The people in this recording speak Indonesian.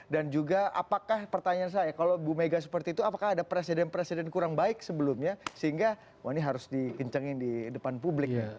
dan juga apakah pertanyaan saya kalau bu mega seperti itu apakah ada presiden presiden kurang baik sebelumnya sehingga ini harus dikincangin di depan publik